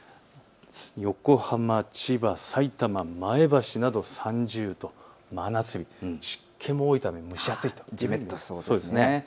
横浜、千葉、さいたま、前橋など３０度、真夏日、湿気も多いため蒸し暑い、じめっとしそうですね。